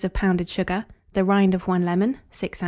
of pounded sugar, the rind of 1 lemon, 6 oz.